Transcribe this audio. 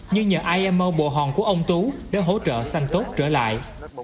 nhưng nhờ imo bồ hòn của ông tú đã hỗ trợ sanh tốt trở lại